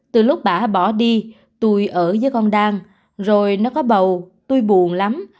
từ lúc bà bỏ đi tôi ở với con đan rồi nó có bầu tôi buồn lắm